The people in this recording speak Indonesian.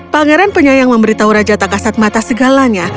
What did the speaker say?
pangeran penyayang memberitahu raja tak kasat mata segalanya